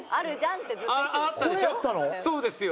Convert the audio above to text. そうですよ。